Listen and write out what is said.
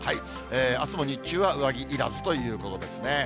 あすも日中は上着いらずということですね。